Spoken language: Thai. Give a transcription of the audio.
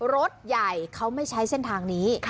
รถใหญ่เขาไม่ใช้เส้นทางนี้